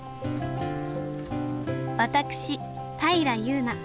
私平祐奈。